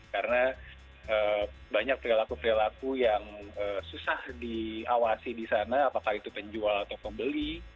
karena banyak perilaku perilaku yang susah diawasi di sana apakah itu penjual atau pembeli